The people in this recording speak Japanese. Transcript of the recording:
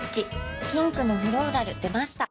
ピンクのフローラル出ました